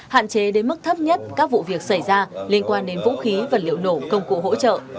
hạn chế đến mức thấp nhất các vụ việc xảy ra liên quan đến vũ khí vật liệu nổ công cụ hỗ trợ